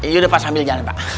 yaudah pak sambil jalan pak